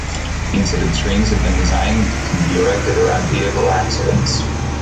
Incident screens have been designed that can be erected around vehicle accidents.